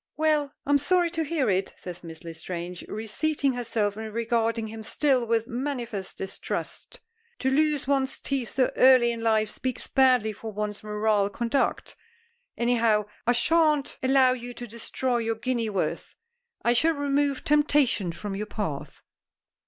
"Well, I'm sorry to hear it," says Miss L'Estrange reseating herself and regarding him still with manifest distrust. "To lose one's teeth so early in life speaks badly for one's moral conduct. Anyhow, I shan't allow you to destroy your guinea's worth. I shall remove temptation from your path."